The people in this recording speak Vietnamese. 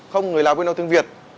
không người lào quên đâu thương việt